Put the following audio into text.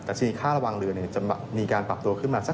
กับชีวิตค่าระวังเรือเนี่ยจะมีการปรับตัวขึ้นมาชัก๑๐